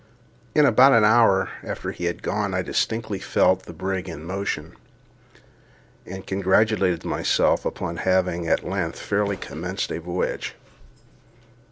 In about an hour after he had gone I distinctly felt the brig in motion, and congratulated myself upon having at length fairly commenced a voyage.